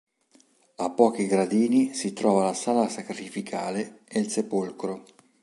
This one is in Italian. A pochi gradini si trova la sala sacrificale e il sepolcro.